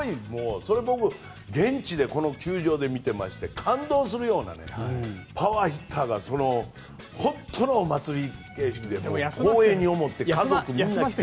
それは僕、現地でこの球場で見ていまして感動するようなパワーヒッターが本当のお祭りで光栄に思って家族みんな来て。